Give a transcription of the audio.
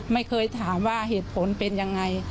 ไม่เคยถามว่าเหตุผลเป็นยังไง